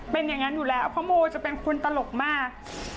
เป็นอย่างนั้นอยู่แล้วเพราะโมจะเป็นคนตลกมาก